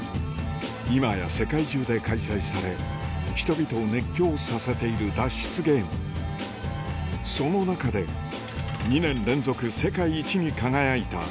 今や世界中で開催され人々を熱狂させている脱出ゲームその中で２年連続世界一に輝いた